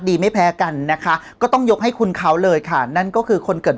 ไม่แพ้กันนะคะก็ต้องยกให้คุณเขาเลยค่ะนั่นก็คือคนเกิด